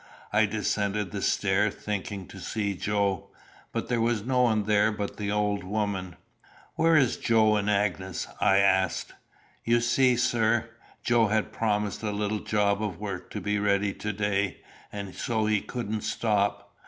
I descended the stair, thinking to see Joe; but there was no one there but the old woman. "Where are Joe and Agnes?" I asked. "You see, sir, Joe had promised a little job of work to be ready to day, and so he couldn't stop.